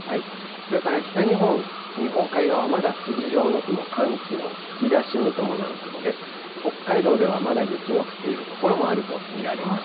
それから北日本、日本海側、まだ筋状の雲、寒気の吹き出しに伴う雲です。